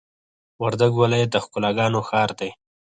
وردګ ولایت د ښکلاګانو ښار دی!